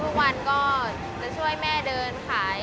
ทุกวันก็จะช่วยแม่เดินขาย